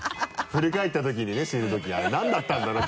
振り返った時にね死ぬ時あれ何だったんだろう？